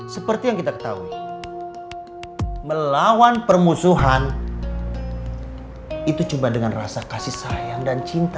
seperti yang kita ketahui melawan permusuhan itu cuma dengan rasa kasih sayang dan cinta